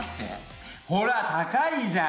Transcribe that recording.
ほら高いじゃん！